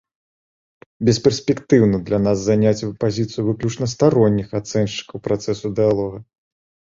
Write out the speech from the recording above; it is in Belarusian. Бесперспектыўна для нас заняць пазіцыю выключна старонніх ацэншчыкаў працэсу дыялога.